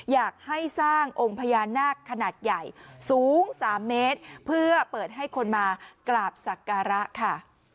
อยากให้สร้างองค์พญานาคขนาดใหญ่สูง๓เมตรเพื่อเปิดให้คนมากราบสักการะค่ะ